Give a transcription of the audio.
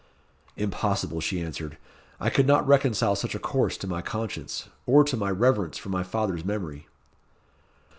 "Impossible," she answered. "I could not reconcile such a course to my conscience, or to my reverence for my father's memory."